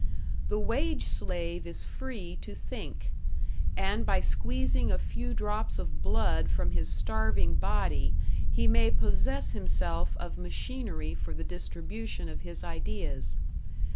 The wage slave is free to think; and by squeezing a few drops of blood from his starving body, he may possess himself of machinery for the distribution of his ideas.